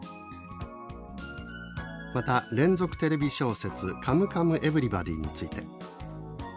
また、連続テレビ小説「カムカムエヴリバディ」について。